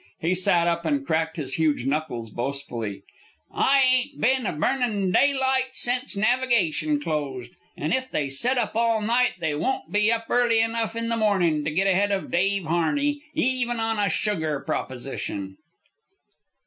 He sat up and cracked his huge knuckles boastfully. "I ain't ben a burnin' daylight sence navigation closed; an' if they set up all night they won't be up early enough in the mornin' to git ahead of Dave Harney even on a sugar proposition."